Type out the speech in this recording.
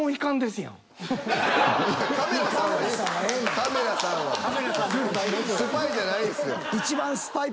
スパイじゃないんですよ。